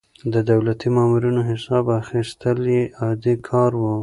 د دولتي مامورينو حساب اخيستل يې عادي کار و.